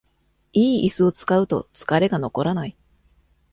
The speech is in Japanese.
良いイスを使うと疲れが残らない